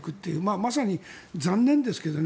まさに残念ですけどね。